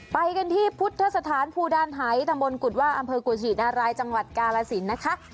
ไปกันที่พุทธสถานภูดานหายตำบลกุฎว่าอำเภอกุชินารายจังหวัดกาลสินนะคะ